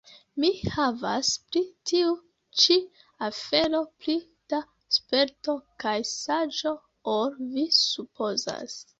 Mi havas pri tiu ĉi afero pli da sperto kaj saĝo ol vi supozas.